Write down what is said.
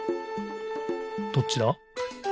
どっちだ？